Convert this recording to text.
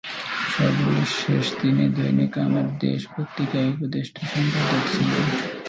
সর্বশেষ তিনি দৈনিক আমার দেশ পত্রিকার উপদেষ্টা সম্পাদক ছিলেন।